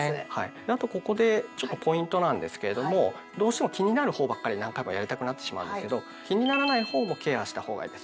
あとここでちょっとポイントなんですけれどもどうしても気になるほうばっかり何回もやりたくなってしまうんですけど気にならないほうもケアしたほうがいいです。